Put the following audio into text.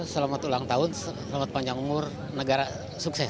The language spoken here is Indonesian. selamat ulang tahun selamat panjang umur negara sukses